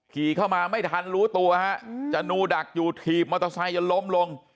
ขี่เข้ามาไม่ทันรู้ตัวฮะจนูดักอยู่ถีบมอเตอร์ไซค์จนล้มลง